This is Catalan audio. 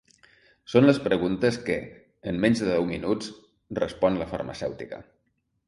Són les preguntes que, en menys de deu minuts, respon la farmacèutica.